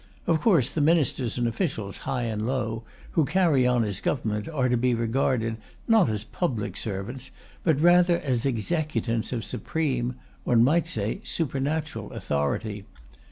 Of course, the ministers and officials, high and low, who carry on His government, are to be regarded not as public servants, but rather as executants of supreme one might say supernatural authority.